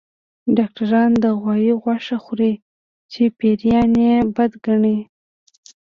ډاکټران د غوايي غوښه خوري چې پيريان يې بد ګڼي